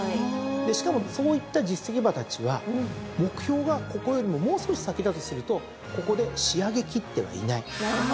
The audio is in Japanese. しかもそういった実績馬たちは目標がここよりももう少し先だとするとここで仕上げきってはいない。